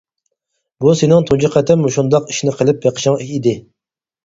بۇ سېنىڭ تۇنجى قېتىم مۇشۇنداق ئىشنى قىلىپ بېقىشىڭ ئىدى.